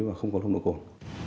và không có lồng độ cồn